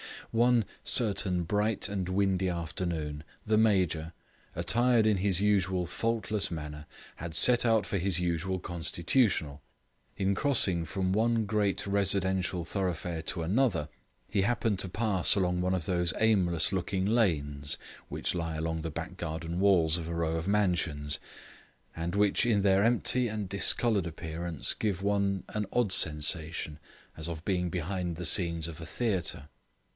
One certain bright and windy afternoon, the Major, attired in his usual faultless manner, had set out for his usual constitutional. In crossing from one great residential thoroughfare to another, he happened to pass along one of those aimless looking lanes which lie along the back garden walls of a row of mansions, and which in their empty and discoloured appearance give one an odd sensation as of being behind the scenes of a theatre.